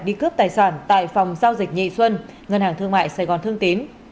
đi cướp tài sản tại phòng giao dịch nhị xuân ngân hàng thương mại sài gòn thương tín